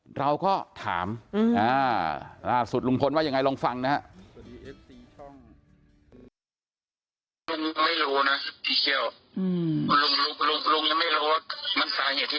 หรือว่าในการที่เราจะต้องการคำตอบนะครับว่า